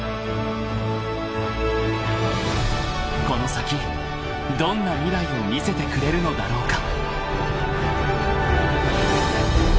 ［この先どんな未来を見せてくれるのだろうか］